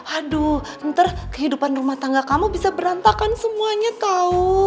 aduh ntar kehidupan rumah tangga kamu bisa berantakan semuanya tahu